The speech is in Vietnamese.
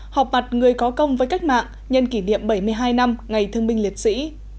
họp mặt người có công với cách mạng nhân kỷ niệm bảy mươi hai năm ngày thương binh liệt sĩ